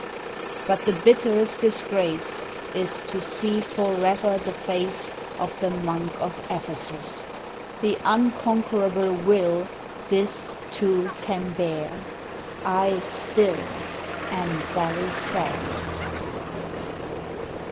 But the bitterest disgrace Is to see forever the face Of the Monk of Ephesus! The imconquerable will This, too, can bear; — I still Am Belisarius